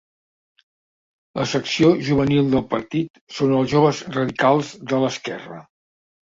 La secció juvenil del partit són el Joves Radicals de l'Esquerra.